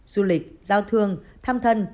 du lịch giao thương tham thân